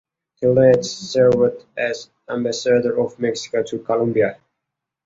He later served as ambassador of Mexico to Colombia.